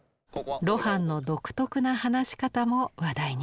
露伴の独特な話し方も話題に。